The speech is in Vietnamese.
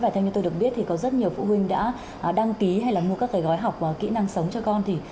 còn được biết thì có rất nhiều phụ huynh đã đăng ký hay là mua các cái gói học và kỹ năng sống cho con thì